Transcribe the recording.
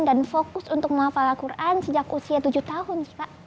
dan fokus untuk menghafal al quran sejak usia tujuh tahun